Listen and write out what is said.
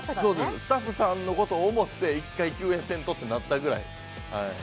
スタッフさんのことを思って一回休演せんととなったくらい。